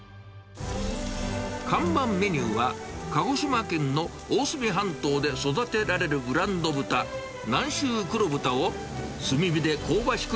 看板メニューは、鹿児島県の大隅半島で育てられるブランド豚、南州黒豚を、炭火で香ばしく